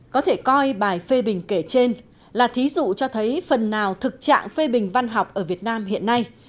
có thể coi bài phê bình kể trên là thí dụ cho thấy phần nào thực trạng phê bình văn học ở việt nam hiện nay